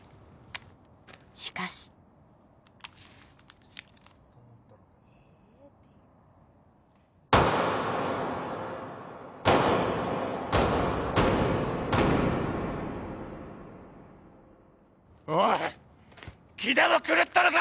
しかしおいっ気でも狂ったのか！